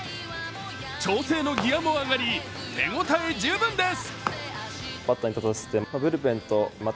調整のギヤも上がり手応え十分です。